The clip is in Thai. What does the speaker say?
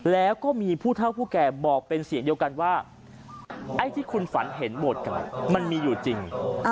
แล้วก็มีผู้เท่าผู้แก่บอกเป็นเสียงเดียวกันว่าไอ้ที่คุณฝันเห็นโบสถกันมันมีอยู่จริง